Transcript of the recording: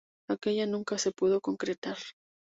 Aquella nunca se pudo concretar.